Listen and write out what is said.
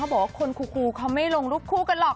เค้าบอกว่าคนคู่เค้าไม่ลงรูปคู่กันหรอก